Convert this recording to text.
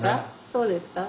そうですか。